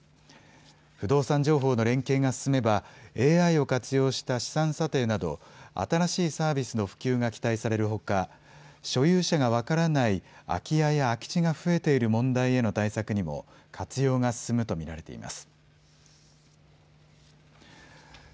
不動産情報の連携が進めばＡＩを活用した資産査定など新しいサービスの普及が期待されるほか所有者が分からない空き家や空き地が増えている問題への対策にも活用が進むと見られています。